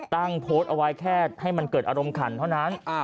โพสต์เอาไว้แค่ให้มันเกิดอารมณ์ขันเท่านั้น